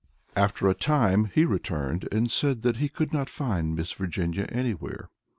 After a little time he returned and said that he could not find Miss Virginia anywhere.